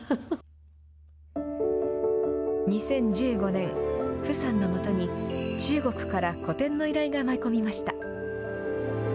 ２０１５年、傅さんのもとに中国から個展の依頼が舞い込みました。